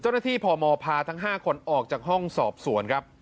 เจ้าหน้าที่พมพาทั้ง๕คนออกจากห้องสอบสวนครับ